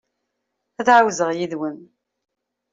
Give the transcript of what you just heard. Ad ɛawzeɣ yid-wen.